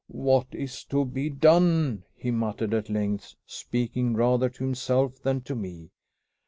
"What is to be done?" he muttered at length, speaking rather to himself than to me.